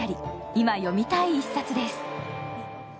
今、読みたい一冊です。